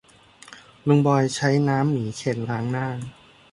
ลุงบอยใช้น้ำหมีเคนล้างหน้า